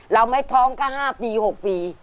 เราไม่พร้อมก็๕หรือ๖ปี